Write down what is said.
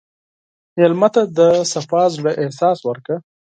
مېلمه ته د پاک زړه احساس ورکړه.